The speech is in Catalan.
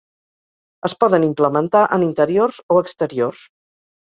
Es poden implementar en interiors o exteriors.